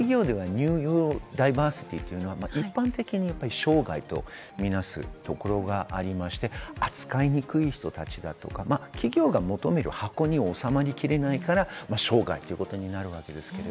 日本の企業では、このニューロダイバーシティは一般的に障害とみなすところがありまして、扱いにくい人たちとか、企業が求める箱に収まりきれないから、障害ということになるわけです。